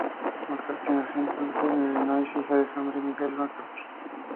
McCarthy nació en Plainfield, Illinois, hija de Sandra y Michael McCarthy.